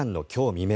未明